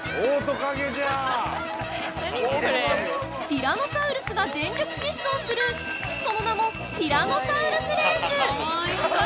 ◆ティラノサウルスが全力疾走するその名もティラノサウルスレース。